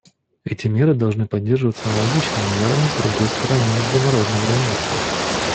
Эти меры должны поддерживаться аналогичными мерами с другой стороны международной границы.